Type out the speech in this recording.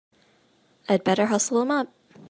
I'd better hustle him up!